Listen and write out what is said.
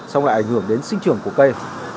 xong lại ảnh hưởng đến sinh trường của cây